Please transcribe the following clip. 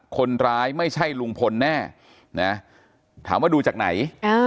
คนร้ายไม่ใช่ลุงพลแน่ถามว่าดูจากไหน